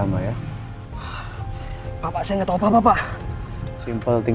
bahan kemie kau atau dicek